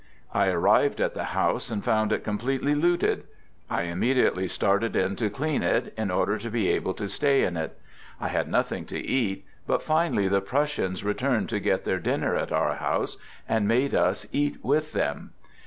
I arrived at the house and found it completely looted. I immediately started in to clean it, in order to be able to stay in it. I had nothing to eat, but finally the Prussians re turned to get their dinner at our house, and made us eat with them.